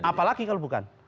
apalagi kalau bukan